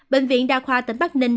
bệnh viện đa khoa tỉnh bắc ninh